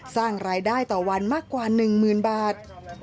สร้างรายได้ต่อวันมากกว่า๑๐๐๐บาท